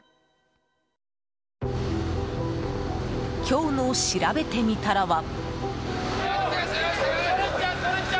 今日のしらべてみたらは。